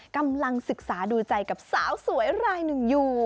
กำลังศึกษาดูใจกับสาวสวยรายหนึ่งอยู่